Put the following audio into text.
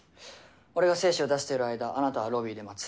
俺が精子を出している間あなたはロビーで待つ。